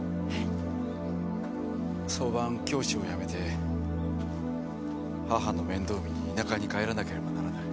早晩教師を辞めて母の面倒を見に田舎に帰らなければならない。